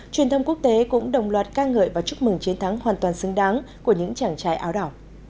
truyền thông quốc tế cũng đồng loạt ca ngợi và chúc mừng chiến thắng hoàn toàn xứng đáng của những chàng trai áo đỏ